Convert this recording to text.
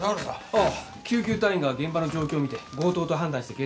ああ救急隊員が現場の状況を見て強盗と判断して警察に。